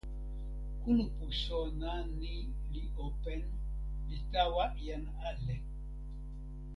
kulupu sona ni li open, li tawa jan ale.